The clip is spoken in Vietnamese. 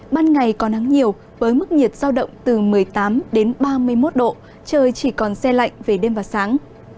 ban ngày có nắng nhiều với mức nhiệt giao động từ một mươi tám ba mươi một độ trời chỉ còn xe lạnh về đêm và sáng